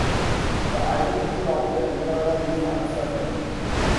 The identity of the Emperor is uncertain.